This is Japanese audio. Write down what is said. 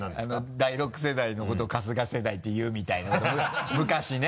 第６世代のこと「春日世代」っていうみたいなのを昔ね。